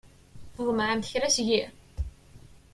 Tḍemɛemt kra seg-i?